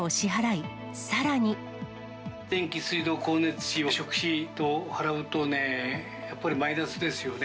電気、水道、光熱費と食費を払うとね、やっぱりマイナスですよね。